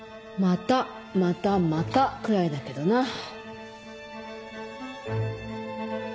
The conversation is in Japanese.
またまたまたくらいだけどな。